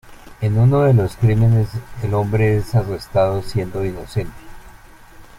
En uno de los crímenes el hombre es arrestado siendo inocente.